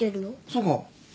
そうか。